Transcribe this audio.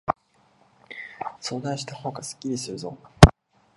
相談したほうがすっきりするぞ。